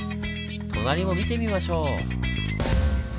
隣も見てみましょう！